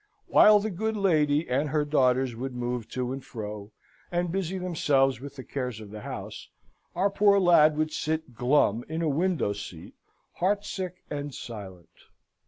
While the good lady and her daughters would move to and fro, and busy themselves with the cares of the house, our poor lad would sit glum in a window seat, heart sick and silent.